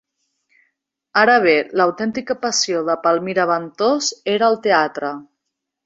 Ara bé, l'autèntica passió de Palmira Ventós era el teatre.